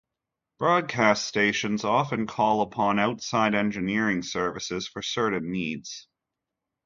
Broadcast stations often call upon outside engineering services for certain needs.